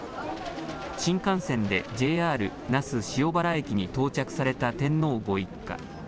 新幹線でＪＲ那須塩原駅に到着された天皇ご一家。